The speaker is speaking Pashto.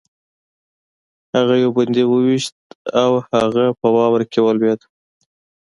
هغه یو بندي وویشت او هغه په واوره کې ولوېد